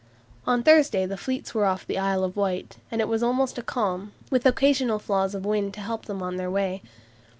On Thursday the fleets were off the Isle of Wight, and it was almost a calm, with occasional flaws of wind to help them on their way.